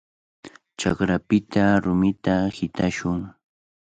Chakrapita rumita hitashun.